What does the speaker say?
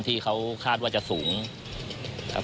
ที่เขาคาดว่าจะสูงครับ